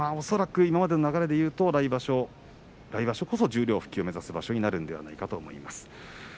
恐らく今の流れでいいますと来場所こそ十両復帰を目指す場所になるんじゃないかと思います。